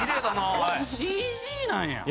ＣＧなんや。